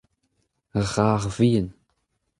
ur c'har vihan.